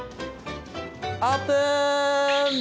オープン！